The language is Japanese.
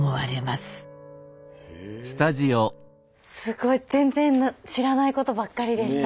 すごい全然知らないことばっかりでした。